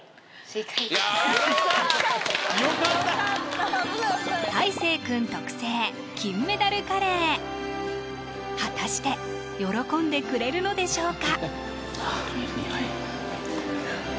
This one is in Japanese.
たいせい君特製・金メダルカレー果たして喜んでくれるのでしょうか？